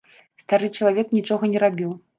Стары чалавек нічога не рабіў.